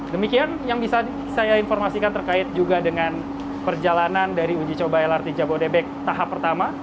demikian yang bisa saya informasikan terkait juga dengan perjalanan dari uji coba lrt jabodebek tahap pertama